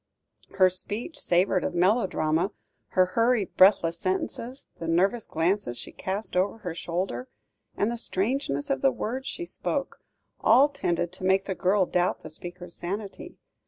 Her speech savoured of melodrama, her hurried, breathless sentences, the nervous glances she cast over her shoulder, and the strangeness of the words she spoke, all tended to make the girl doubt the speaker's sanity.